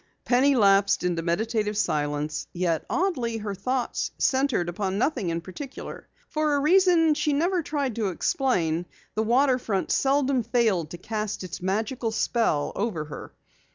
Penny lapsed into meditative silence, yet oddly her thoughts centered upon nothing in particular. For a reason she never tried to explain, the waterfront seldom failed to cast its magical spell over her.